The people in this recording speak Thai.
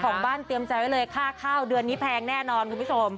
ของบ้านเตรียมใจไว้เลยค่าข้าวเดือนนี้แพงแน่นอนคุณผู้ชม